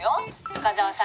「深沢さん